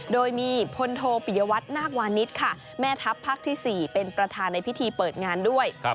โดยมีพลโทปิยวัตนาควานิสค่ะแม่ทัพภาคที่๔เป็นประธานในพิธีเปิดงานด้วย